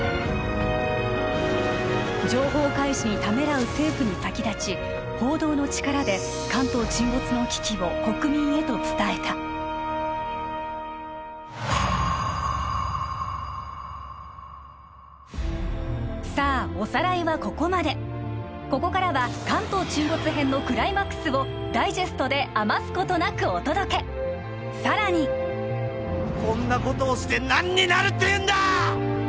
情報開示にためらう政府に先立ち報道の力で関東沈没の危機を国民へと伝えたさあおさらいはここまでここからは関東沈没篇のクライマックスをダイジェストで余すことなくお届け更にこんなことをして何になるっていうんだ！